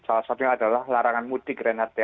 salah satunya adalah larangan multi grenade ya